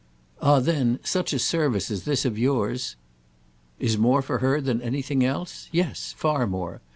"Ah then such a service as this of yours—" "Is more for her than anything else? Yes—far more.